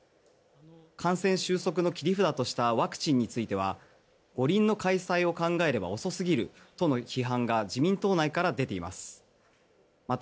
感染収束の切り札としたワクチンについては五輪の開催を考えれば遅すぎるとの批判が自民党内から出ています。